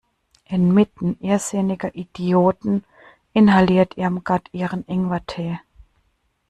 Inmitten irrsinniger Idioten inhaliert Irmgard ihren Ingwertee.